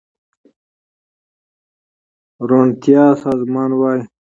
روڼتيا سازمان وايي